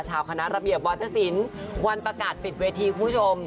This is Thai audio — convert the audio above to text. ชาวคณะระเบียบวัฒนศิลป์วันประกาศปิดเวทีคุณผู้ชม